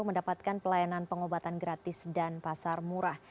mendapatkan pelayanan pengobatan gratis dan pasar murah